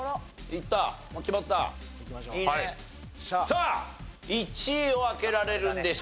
さあ１位を開けられるんでしょうか？